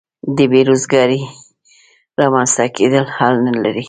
د بې روزګارۍ رامینځته کېدل حل نه لري.